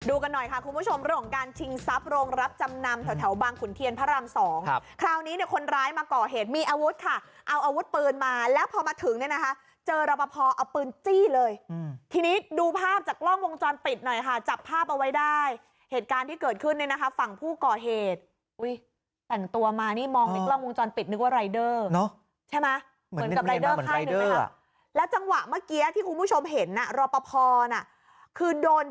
ดูกันหน่อยค่ะคุณผู้ชมเรื่องของการชิงทรัพย์โรงรับจำนำแถวแถวบางขุนเทียนพระรามสองครับคราวนี้เนี่ยคนร้ายมาก่อเหตุมีอาวุธค่ะเอาอาวุธปืนมาแล้วพอมาถึงเนี่ยนะคะเจอรับประพอเอาปืนจี้เลยอืมทีนี้ดูภาพจากล่องวงจรปิดหน่อยค่ะจับภาพเอาไว้ได้เหตุการณ์ที่เกิดขึ้นเนี่ยนะคะฝั่งผู้ก่อเหตุ